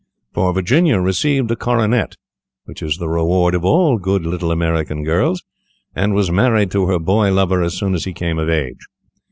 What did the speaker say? For Virginia received the coronet, which is the reward of all good little American girls, and was married to her boy lover as soon as he came of age.